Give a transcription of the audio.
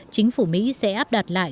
chính phủ mỹ sẽ áp đặt lại